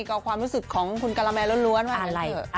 ก็ความรู้สึกของคุณการาแมร์ล้วนมากันเถอะ